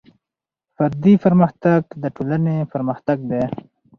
فردي پرمختګ د ټولنې پرمختګ دی.